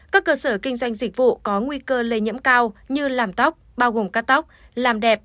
các cơ sở kinh doanh dịch vụ có nguy cơ lây nhiễm cao như làm tóc bao gồm cát tóc làm đẹp